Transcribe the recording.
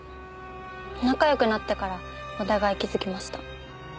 仲よくなってからお互い気づきました。